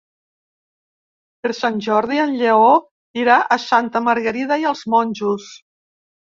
Per Sant Jordi en Lleó irà a Santa Margarida i els Monjos.